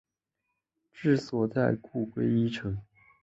治所在故归依城。